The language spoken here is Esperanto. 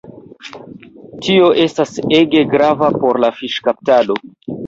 Tio estas ege grava por la fiŝkaptado.